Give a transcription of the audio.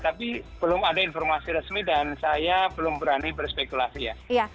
tapi belum ada informasi resmi dan saya belum berani berspekulasi ya